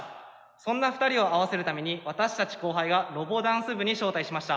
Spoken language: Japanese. そんな２人を会わせるために私たち後輩がロボダンス部に招待しました。